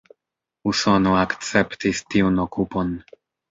Usono akceptis tiun okupon.